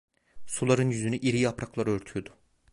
Suların yüzünü iri yapraklar örtüyordu.